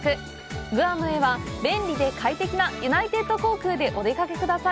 グアムへは、便利で快適なユナイテッド航空でお出かけください。